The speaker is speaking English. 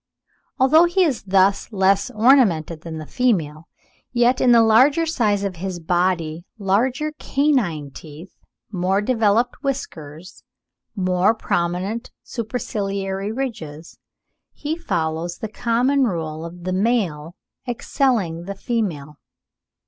Although he is thus less ornamented than the female, yet in the larger size of his body, larger canine teeth, more developed whiskers, more prominent superciliary ridges, he follows the common rule of the male excelling the female.